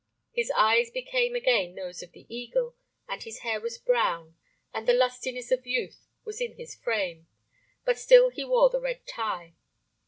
His eyes became again those of the eagle, and his hair was brown, and the lustiness of youth [Pg 10]was in his frame, but still he wore the red tie.